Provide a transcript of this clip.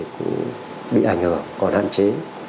cũng bị ảnh hưởng còn hạn chế